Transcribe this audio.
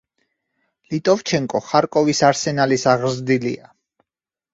ლიტოვჩენკო ხარკოვის „არსენალის“ აღზრდილია.